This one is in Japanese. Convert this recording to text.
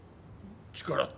力って？